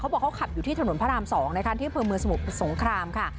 เขาบอกเขาขับอยู่ที่ถนนพระราม๒ในทางที่เผื่อมือสมุทรสงครามค่ะ